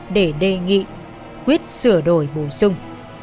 để đề nghị quyết sửa đổi bổ sung